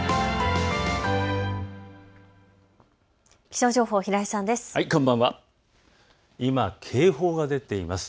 気象情報、平井さんです。